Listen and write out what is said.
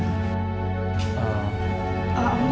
saya tidak tahu siapa itu